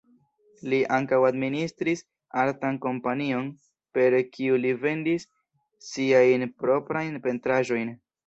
Li ankaŭ administris artan kompanion, per kiu li vendis siajn proprajn pentraĵojn.